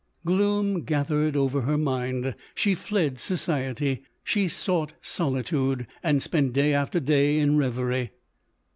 Gloom gathered over her mind ; she fled society ; she sought solitude; and spent day after day in reverie.